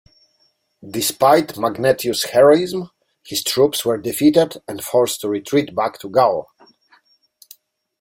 Despite Magnentius' heroism, his troops were defeated and forced to retreat back to Gaul.